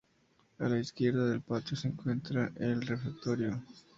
A la izquierda del patio se encuentra el refectorio.